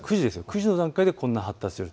９時の段階でこんなに発達する。